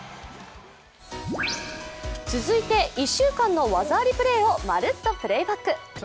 続いて１週間の技ありプレーをまるっとプレーバック。